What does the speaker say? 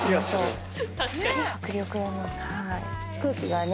空気がね